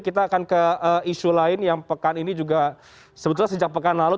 kita akan ke isu lain yang pekan ini juga sebetulnya sejak pekan lalu